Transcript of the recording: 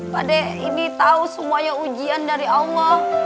pak de ini tahu semuanya ujian dari allah